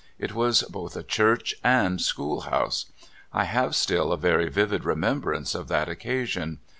It was both a church and schoolhouse. I have still a very vivid remembrance of that occasion.